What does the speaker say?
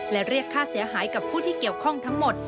และเรียกค่าเสียหายกับผู้ที่เกี่ยวข้องทั้งหมด